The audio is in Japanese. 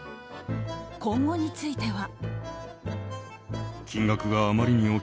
今後については。